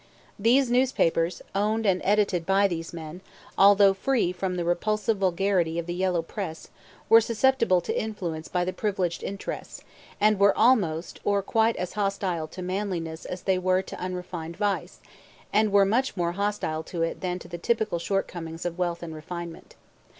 These newspapers, owned and edited by these men, although free from the repulsive vulgarity of the yellow press, were susceptible to influence by the privileged interests, and were almost or quite as hostile to manliness as they were to unrefined vice and were much more hostile to it than to the typical shortcomings of wealth and refinement.